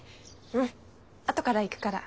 うん後から行くから。